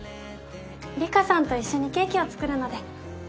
梨香さんと一緒にケーキを作るので。